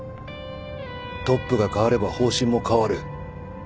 トップが代われば方針も変わる。